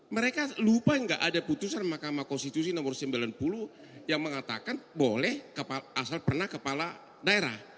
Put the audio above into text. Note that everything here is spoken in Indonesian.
mereka lupa nggak ada putusan mahkamah konstitusi nomor sembilan puluh yang mengatakan boleh asal pernah kepala daerah